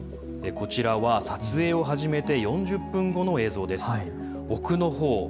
こちらは撮影を始めて４０分後の映像です。